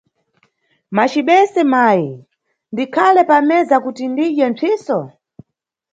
Macibese mayi, ndikhale pameza kuti ndidye mpsiso?